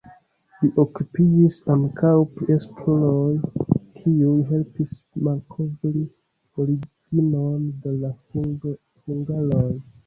Li okupiĝis ankaŭ pri esploroj, kiuj helpis malkovri originon de la hungaroj.